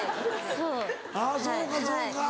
ああそうかそうか。